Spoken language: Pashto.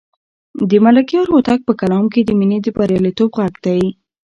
د ملکیار هوتک په کلام کې د مینې د بریالیتوب غږ دی.